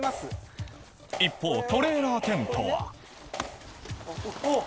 一方トレーラーテントはあっあっ！